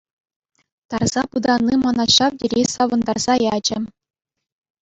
Тарса пытанни мана ҫав тери савӑнтарса ячӗ.